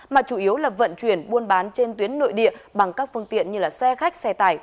mà chủ yếu là vận chuyển buôn bán trên tuyến nội địa bằng các phương tiện như xe khách xe tải